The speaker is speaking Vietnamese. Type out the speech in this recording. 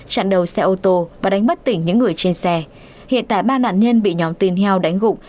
chặn đầu xe ô tô và đánh bất tỉnh những người trên xe hiện tại ba nạn nhân bị nhóm tin heo đánh gụng